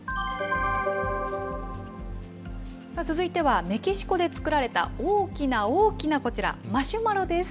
続いては、メキシコで作られた大きな大きなこちら、マシュマロです。